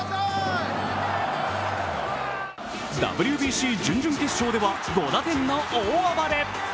ＷＢＣ準々決勝では５打点の大暴れ。